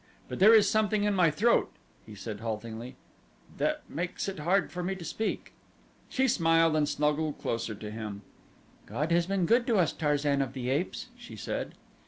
"But there is something in my throat," he said haltingly, "that makes it hard for me to speak." She smiled and snuggled closer to him. "God has been good to us, Tarzan of the Apes," she said.